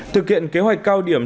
thực hiện kế hoạch cao điểm